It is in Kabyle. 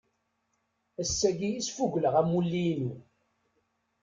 Ass-agi i sfugleɣ amulli-inu.